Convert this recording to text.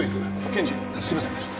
検事すいません。